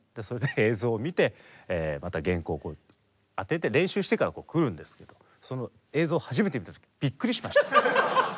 それで映像を見て原稿を当てて練習してから来るんですけどその映像を初めて見た時びっくりしました。